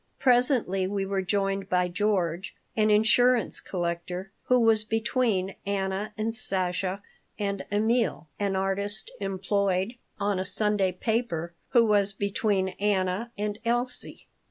Presently we were joined by George, an insurance collector, who was between Anna and Sasha, and Emil, an artist employed on a Sunday paper, who was between Anna and Elsie.